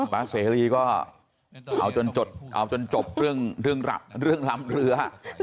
บางทีก็เอาจนจบเรื่องลำเรือ